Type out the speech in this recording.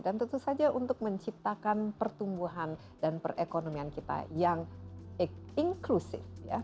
dan tentu saja untuk menciptakan pertumbuhan dan perekonomian kita yang inklusif